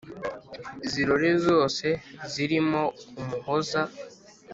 zirore zose zirimo umuhoza